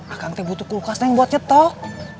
akang teh butuh kulkas neng buat nyetok